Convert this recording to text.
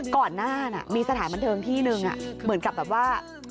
ก่อนหน้ามีสถานบันเทิงที่นึงเหมือนกับแบบว่า